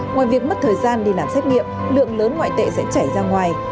ngoài việc mất thời gian đi làm xét nghiệm lượng lớn ngoại tệ sẽ chảy ra ngoài